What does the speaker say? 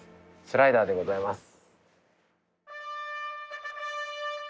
スライダーでございます。